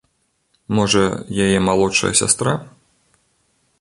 Можа, яе малодшая сястра.